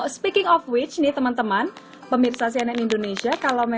speaking of witch nih teman teman pemirsa cnn indonesia